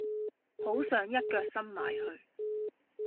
好想一腳伸埋去